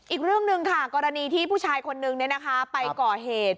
อีกเรื่องหนึ่งค่ะกรณีที่ผู้ชายคนนึงไปก่อเหตุ